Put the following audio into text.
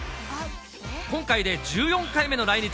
今回で１４回目の来日。